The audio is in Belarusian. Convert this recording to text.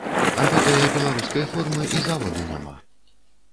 А гэтае беларускай формы і заваду няма.